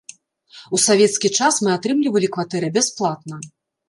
У савецкі час мы атрымлівалі кватэры бясплатна.